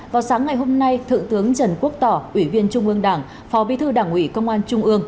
vào sáng ngày hôm nay thượng tướng trần quốc tỏ ủy viên trung ương đảng phó bí thư đảng ủy công an trung ương